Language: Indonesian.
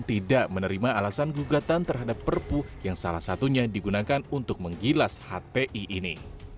tidak menerima alasan gugatan terhadap perpu yang salah satunya digunakan untuk menggilas hti ini